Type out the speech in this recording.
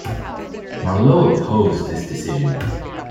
Marleau opposed this decision.